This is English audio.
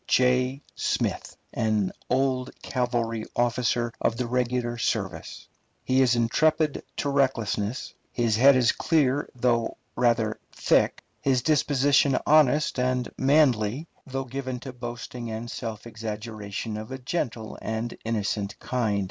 J. Smith, an old cavalry officer of the regular service. He is intrepid to recklessness, his head is clear though rather thick, his disposition honest and manly, though given to boasting and self exaggeration of a gentle and innocent kind.